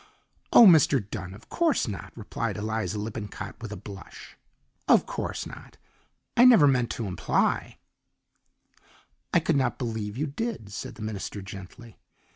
"Oh, Mr. Dunn, of course not," replied Eliza Lippincott with a blush. "Of course not. I never meant to imply " "I could not believe you did," said the minister gently.